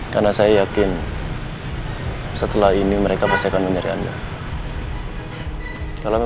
gua akan bongkar semua ini